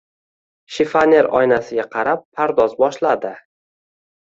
Shifoner oynasiga qarab pardoz boshladi.